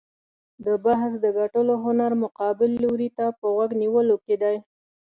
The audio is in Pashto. د بحث د ګټلو هنر مقابل لوري ته په غوږ نیولو کې دی.